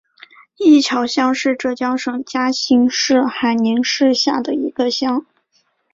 伊桥乡是浙江省嘉兴市海宁市下的一个乡。